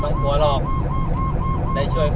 ผู้ชีพเราบอกให้สุจรรย์ว่า๒